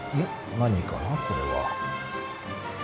何かなこれは。